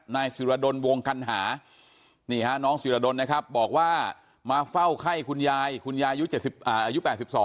นายสุรดลวงกัณหานี่ฮะน้องศิรดลนะครับบอกว่ามาเฝ้าไข้คุณยายคุณยายอายุ๘๒